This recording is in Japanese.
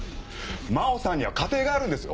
真帆さんには家庭があるんですよ？